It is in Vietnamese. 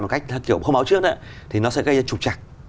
một cách kiểu không báo trước thì nó sẽ gây ra trục chặt